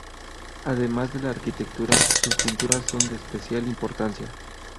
Además de la arquitectura, sus pinturas son de especial importancia.